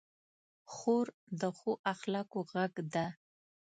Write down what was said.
خور د ښو اخلاقو غږ ده.